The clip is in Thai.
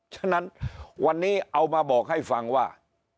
ฉะนั้นวันนี้เอามาบอกให้ฟังว่า